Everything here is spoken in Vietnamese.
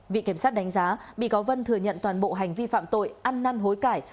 viện kiểm sát đánh giá bị cáo vân thừa nhận toàn bộ hành vi phạm tội ăn năn hối cải